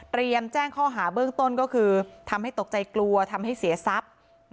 แจ้งข้อหาเบื้องต้นก็คือทำให้ตกใจกลัวทำให้เสียทรัพย์